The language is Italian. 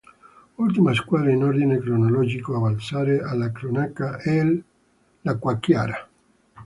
Ultima squadra in ordine cronologico a balzare alla cronaca è l'Acquachiara.